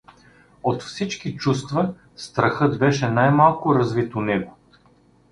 От всички чувства страхът беше най-малко развит у него.